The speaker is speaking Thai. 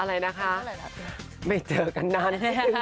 อะไรนะกับว่าไม่เจอกันนาน